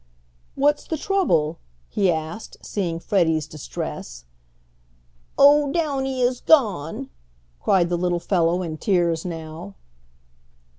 "What's the trouble?" he asked, seeing Freddie's distress. "Oh, Downy is gone!" cried the little fellow in tears now.